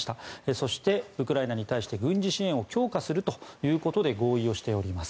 そして、ウクライナに対して軍事支援を強化するということで合意をしております。